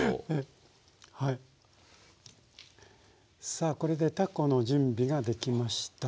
さあこれでたこの準備ができました。